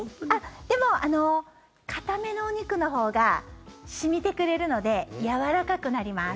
でも、硬めのお肉のほうが染みてくれるのでやわらかくなります。